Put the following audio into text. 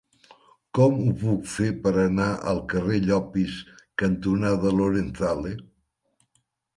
Com ho puc fer per anar al carrer Llopis cantonada Lorenzale?